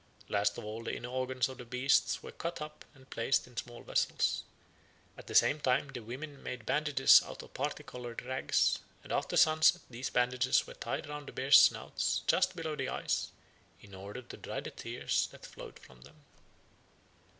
Last of all the inner organs of the beasts were cut up and placed in small vessels. At the same time the women made bandages out of parti coloured rags, and after sunset these bandages were tied round the bears' snouts just below the eyes "in order to dry the tears that flowed from them."